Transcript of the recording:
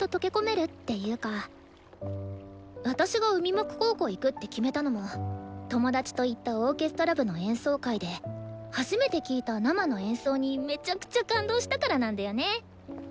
私が海幕高校行くって決めたのも友達と行ったオーケストラ部の演奏会で初めて聴いた生の演奏にめちゃくちゃ感動したからなんだよね。